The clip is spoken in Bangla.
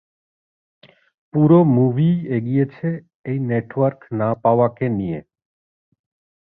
পুরো মুভিই এগিয়েছে এই নেটওয়ার্ক না পাওয়াকে নিয়ে।